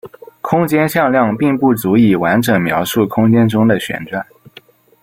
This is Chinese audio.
空间向量并不足以完整描述空间中的旋转。